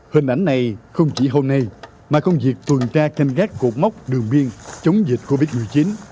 hình ảnh này không chỉ hôm nay mà công việc tuần tra canh gác cột mốc đường biên chống dịch covid một mươi chín